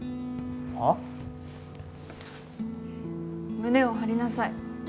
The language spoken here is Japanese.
胸を張りなさい。